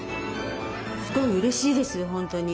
すごいうれしいです本当に。